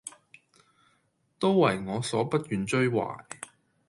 都爲我所不願追懷，